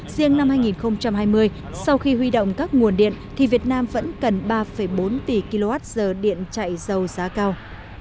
riêng năm hai nghìn hai mươi sau khi huy động các nguồn điện thì việt nam vẫn cần ba bốn tỷ kwh điện chạy dầu giá cao